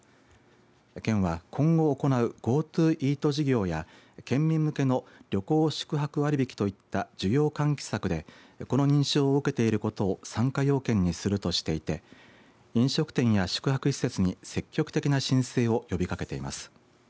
県は今後行うＧｏＴｏイート事業や県民向けの旅行宿泊割引といった需要喚起策でこの認証を受けていることを参加要件にするとしていて飲食店や宿泊施設に積極的な申請を呼びかけています。